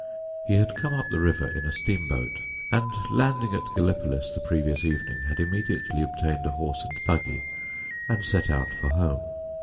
He had come up the river in a steamboat, and landing at Gallipolis the previous evening had immediately obtained a horse and buggy and set out for home.